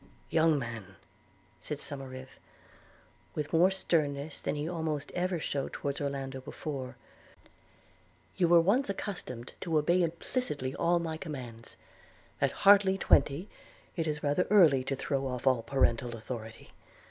'Young man,' said Somerive, with more sternness than he almost ever shewed towards Orlando before, 'you were once accustomed to obey implicitly all my commands. At hardly twenty, it is rather early to throw off all parental authority.